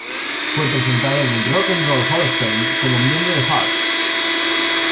Fue presentado en el Rock and Roll Hall of Fame como miembro de Heart.